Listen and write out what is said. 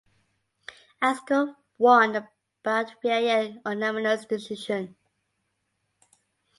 Askarov won the bout via unanimous decision.